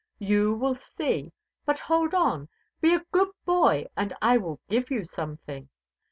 "You will see. But hold on! be a good boy and I will give you something."